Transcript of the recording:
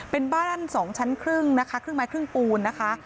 เป็นบ้าน๒ชั้นครึ่งนะคะครึ่งไม้ครึ่งปูนนะคะ